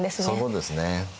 そうですね。